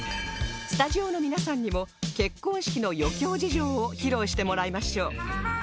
スタジオの皆さんにも結婚式の余興事情を披露してもらいましょう